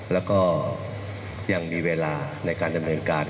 แล้วก็ยังมีเวลาในการดำเนินการ